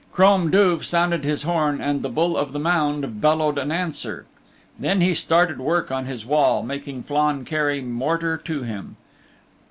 Crom Duv sounded his horn and the Bull of the Mound bellowed an answer. Then he started work on his wall, making Flann carry mortar to him.